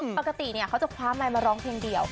ปกติเขาจะคว้าไมค์มาร้องเพลงเดียว